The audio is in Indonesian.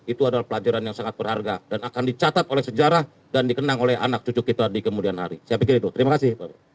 itu adalah pelajaran yang sangat berharga dan akan dicatat oleh sejarah dan dikenang oleh anak cucu kita di kemudian hari saya pikir itu terima kasih